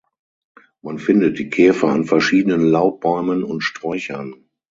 Man findet die Käfer an verschiedenen Laubbäumen und Sträuchern.